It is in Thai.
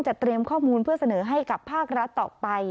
เตรียมข้อมูลเพื่อเสนอให้กับภาครัฐต่อไป